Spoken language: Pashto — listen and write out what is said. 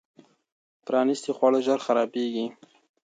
پرانیستي خواړه ژر خرابېږي.